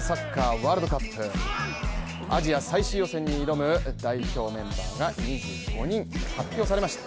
ワールドカップアジア最終予選に挑む代表メンバーが２５人発表されました。